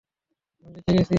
আমি বেঁচে গেছি!